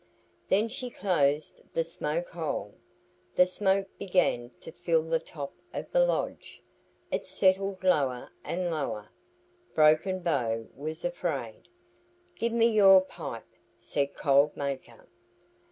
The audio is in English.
Then she closed the smoke hole. The smoke began to fill the top of the lodge. It settled lower and lower. Broken Bow was afraid. "Give me your pipe," said Cold Maker.